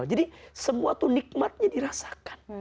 jadi semua tuh nikmatnya dirasakan